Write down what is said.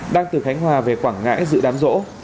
đang từ khánh hòa về quảng ngãi dự đám rỗ